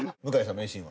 名シーンは？